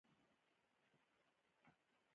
صحي خواړه د ذهني قوت لپاره مهم دي.